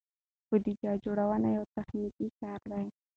بودیجه جوړونه یو تخنیکي کار دی.